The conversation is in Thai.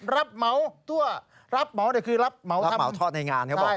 รับเหมาตั้วรับเหมานี่คือรับเหมาทอดในงานเขาบอก